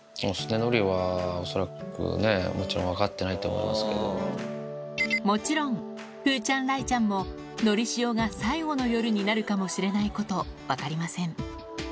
のりは恐らく、もちろん、もちろん、風ちゃん雷ちゃんも、のりしおが最後の夜になるかもしれないこと、分かりません。